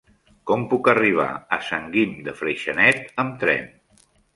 Com puc arribar a Sant Guim de Freixenet amb tren?